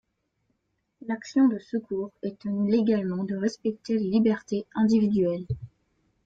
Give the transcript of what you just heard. L'action de secours est tenue légalement de respecter les libertés individuelles.